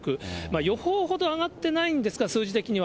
予報ほど上がってないんですが、数字的には。